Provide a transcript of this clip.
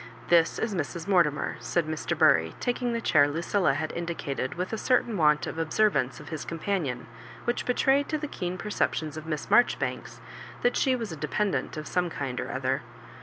This is Mrs. Mortimer," said Mr. Bury, taking the chair Lucilla had indi cated witli a certain want of observance of his companion which betrayed to the keen percep tions of Miss Marjoribanks that she was a de pendant of some kind or other.